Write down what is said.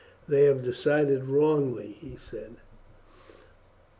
"They have decided wrongly," he said.